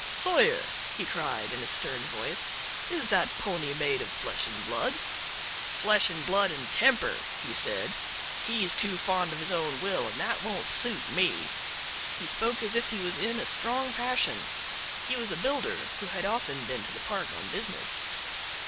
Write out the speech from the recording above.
"Sawyer," he cried in a stern voice, "is that pony made of flesh and blood?" "Flesh and blood and temper," he said; "he's too fond of his own will, and that won't suit me." He spoke as if he was in a strong passion. He was a builder who had often been to the park on business.